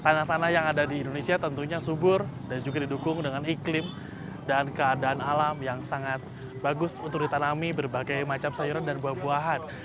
tanah tanah yang ada di indonesia tentunya subur dan juga didukung dengan iklim dan keadaan alam yang sangat bagus untuk ditanami berbagai macam sayuran dan buah buahan